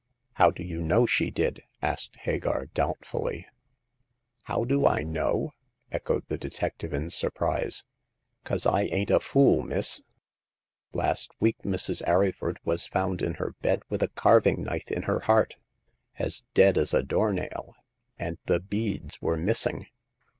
''How do you know she did ?" asked Hagar, doubtfully. " How do I know ?" echoed the detective in surprise. 'Cause* I ain't a fool, miss. Last week Mrs. Arryford was found in her bed with a carving knife in her heart, as dead as a door nail, and the beads were missing.